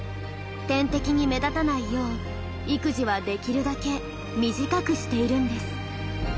天敵に目立たないよう育児はできるだけ短くしているんです。